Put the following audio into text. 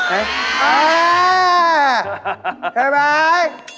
เออใช่ไหมโอเค